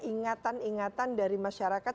ingatan ingatan dari masyarakat